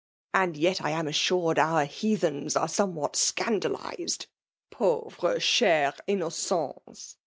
" And yet I am assured our Heathens are somewhat scandalized ? Panares chers m ; nocen$ !